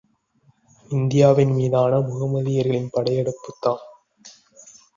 இந்தியாவின் மீதான முகமதியர்களின் படையெடுப்பு தான்